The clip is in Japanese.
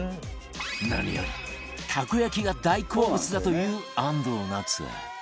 何やらたこ焼きが大好物だという安藤なつ